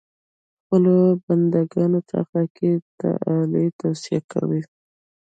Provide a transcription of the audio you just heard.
خپلو بنده ګانو ته اخلاقي تعالي توصیه کوي.